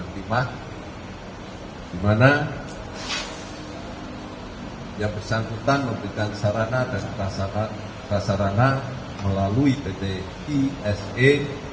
di mana yang bersangkutan memberikan sarana dan prasarana melalui pt esa